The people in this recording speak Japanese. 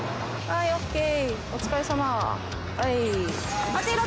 お疲れさま。